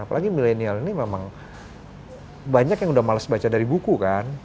apalagi milenial ini memang banyak yang udah males baca dari buku kan